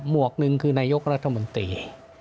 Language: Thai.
วกหนึ่งคือนายกรัฐมนตรี